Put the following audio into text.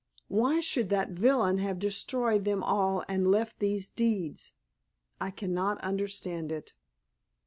Why should that villain have destroyed them all and left these deeds? I cannot understand it."